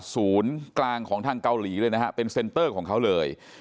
ศูนย์กลางของทางเกาหลีเลยนะฮะเป็นเซ็นเตอร์ของเขาเลย